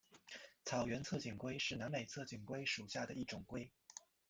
草原侧颈龟是南美侧颈龟属下的一种龟。